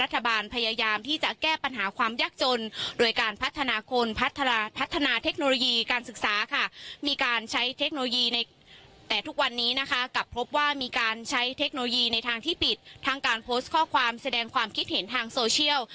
แต่ทุกวันนี้กลับพบว่ามีการใช้เทคโนโลยีในทางที่ปิดทางการโพสต์ข้อความแสดงความคิดเห็นทางโซเชียล